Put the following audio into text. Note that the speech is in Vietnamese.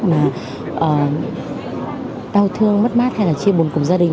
mà đau thương mất mát hay là chia buồn cùng gia đình